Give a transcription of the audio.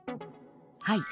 はい。